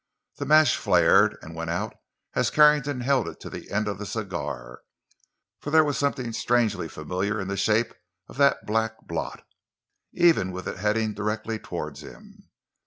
The match flared and went out as Carrington held it to the end of the cigar, for there was something strangely familiar in the shape of the black blot—even with it heading directly toward him.